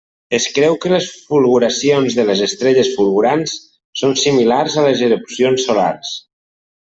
Es creu que les fulguracions de les estrelles fulgurants són similars a les erupcions solars.